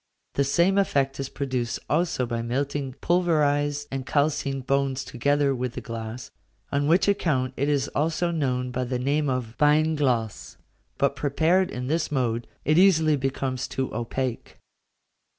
The same effect is produced also by melting pulverised and calcined bones together with the glass, on which account it is also known by the name of beinglas; but, prepared in this mode, it easily becomes too opaque.